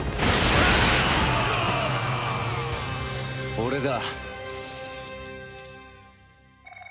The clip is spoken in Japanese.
俺だ。